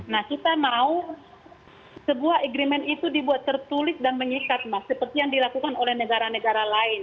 nah kita mau sebuah agreement itu dibuat tertulis dan mengikat mas seperti yang dilakukan oleh negara negara lain